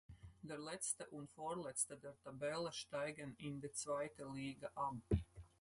Der Letzte und Vorletzte der Tabelle steigen in die zweite Liga ab.